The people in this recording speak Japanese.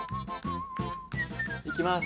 いきます。